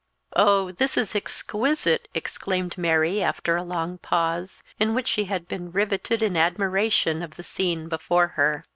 "Oh! this is exquisite!" exclaimed Mary after along pause, in which she had been riveted in admiration of the scene before her.